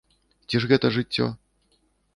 Ці ж гэта жыццё?